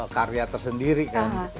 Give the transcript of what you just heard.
karya tersendiri kan